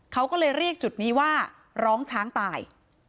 เขาก็เลยเรียกจุดนี้ว่าร้องช้างตาย